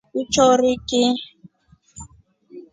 Uchori ki?